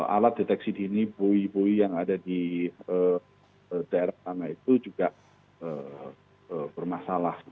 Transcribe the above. alat deteksi dini buoy buoy yang ada di daerah tanah itu juga bermasalah